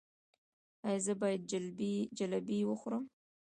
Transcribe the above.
ایا زه باید جلبي وخورم؟